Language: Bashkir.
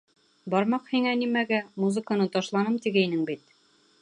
Бармаҡ һиңә нимәгә, музыканы ташланым, тигәйнең бит.